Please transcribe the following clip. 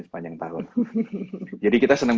sepanjang tahun jadi kita senang